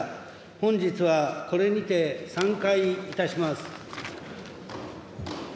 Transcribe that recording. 本日はこれにて散会いたします。